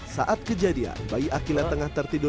saat kejadian bayi akila tengah tertidur